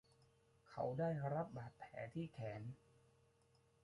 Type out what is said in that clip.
เขาได้รับบาดแผลที่แขน